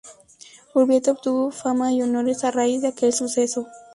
Urbieta obtuvo fama y honores a raíz de aquel suceso.